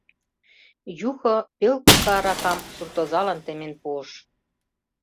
Юхо пел корка аракам суртозалан темен пуыш.